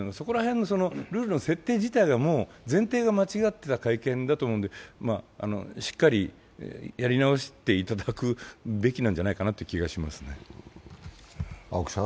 ルールの設定自体の前提が間違っていたと思うのでしっかりやり直していただくべきなんじゃないかという気がします。